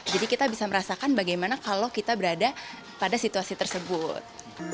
jadi kita bisa merasakan bagaimana kalau kita berada pada situasi tersebut